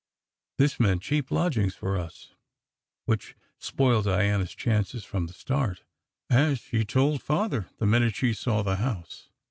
This meant cheap lodgings for us, which spoiled Diana s chances from the start, as she told Father the minute she saw the house.